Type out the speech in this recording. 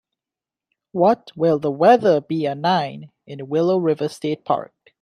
What will the weather be a nine in Willow River State Park?